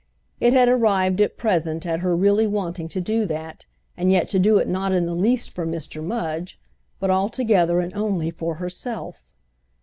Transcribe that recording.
It had arrived at present at her really wanting to do that, and yet to do it not in the least for Mr. Mudge, but altogether and only for herself.